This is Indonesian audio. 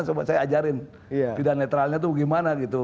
saya ajarin tidak netralnya itu bagaimana gitu